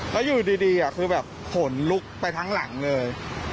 แล้วอยู่ดีคือแบบขนลุกไปทั้งหลังเลย